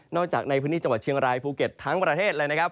จากในพื้นที่จังหวัดเชียงรายภูเก็ตทั้งประเทศเลยนะครับ